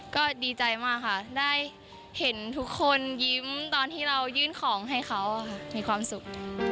ก็ดีใจมากค่ะได้เห็นทุกคนยิ้มตอนที่เรายื่นของให้เขามีความสุข